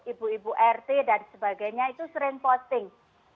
ibu ibu rt dan sebagainya itu sering posting